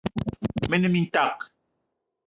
Me ne mintak